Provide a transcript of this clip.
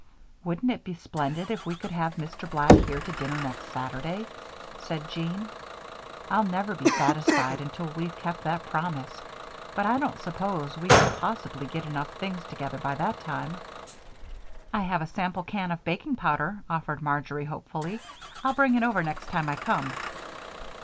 "Wouldn't it be splendid if we could have Mr. Black here to dinner next Saturday?" said Jean. "I'll never be satisfied until we've kept that promise, but I don't suppose we could possibly get enough things together by that time." "I have a sample can of baking powder," offered Marjory, hopefully. "I'll bring it over next time I come."